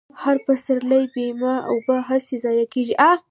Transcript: هر پسرلۍ پرېمانه اوبه هسې ضايع كېږي،